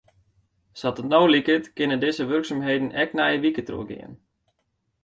Sa't it no liket kinne dizze wurksumheden ek nije wike trochgean.